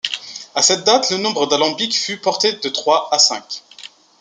À cette date le nombre d'alambics fut porté de trois à cinq.